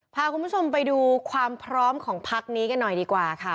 พาคุณผู้ชมไปดูความพร้อมของพักนี้กันหน่อยดีกว่าค่ะ